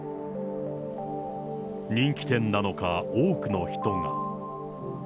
人気店なのか、多くの人が。